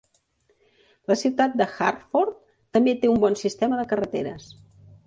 La ciutat de Hartford també té un bon sistema de carreteres.